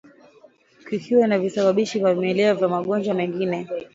Kukiwa na visababishi vya vimelea vya magonjwa mengine